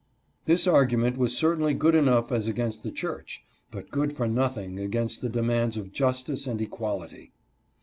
This argument was certainly good enough as against the church, but good for nothing as against the demands of justice and equality.